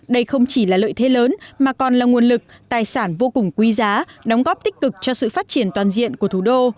đây không chỉ là lợi thế lớn mà còn là nguồn lực tài sản vô cùng quý giá đóng góp tích cực cho sự phát triển toàn diện của thủ đô